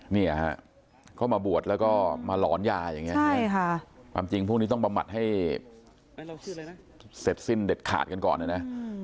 เนี่ยฮะเข้ามาบวชแล้วก็มาหลอนยาอย่างนี้ความจริงพวกนี้ต้องบำบัดให้เสร็จสิ้นเด็ดขาดกันก่อนนะนะ